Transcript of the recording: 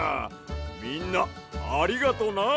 みんなありがとな。